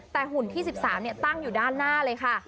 แต่หุ่นที่๑๓ตั้งอยู่ด้านหน้าเลยค่ะ